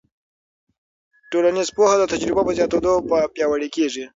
ټولنیز پوهه د تجربو په زیاتېدو پیاوړې کېږي.